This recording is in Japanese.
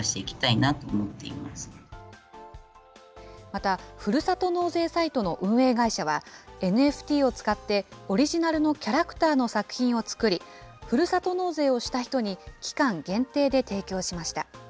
また、ふるさと納税サイトの運営会社は、ＮＦＴを使って、オリジナルのキャラクターの作品をつくり、ふるさと納税をした人に期間限定で提供しました。